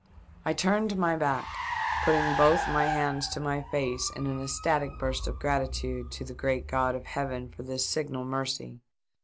I turned my back, putting both my hands to my face in an ecstatic burst of gratitude to the great God of Heaven for this signal mercy.